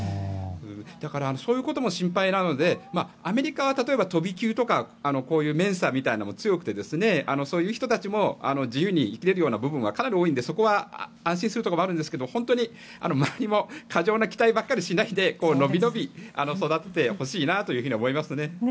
だからそういうことも心配なのでアメリカは、例えば飛び級とかこういうメンサみたいなものも強くてそういう人たちも自由に生きれるような部分はかなり多いので、そこは安心するところもあるんですが本当に周りも過剰な期待ばっかりしないで伸び伸び育ってほしいなと思いますね。